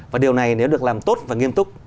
và điều này nếu được làm tốt và nghiêm túc